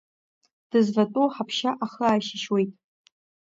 Дызватәоу аҳаԥшьа ахы ааишьышьуеит.